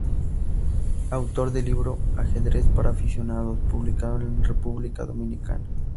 Autor del libro "Ajedrez para aficionados", publicado en República Dominicana.